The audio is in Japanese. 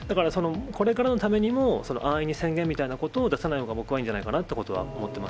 だからこれからのためにも、安易に宣言みたいなことを出さないほうが僕はいいんじゃないかな